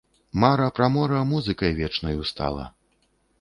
Мара пра мора музыкай вечнаю стала.